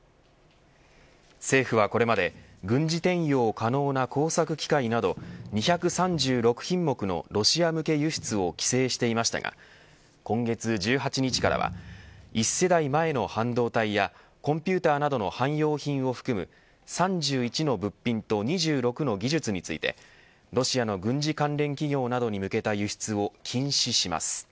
政府はこれまで軍事転用可能な工作機械など２３６品目のロシア向け輸出を規制していましたが今月１８日からは一世代前の半導体やコンピューターなどの汎用品を含む３１の物品と２６の技術についてロシアの軍事関連企業などに向けた輸出を禁止します。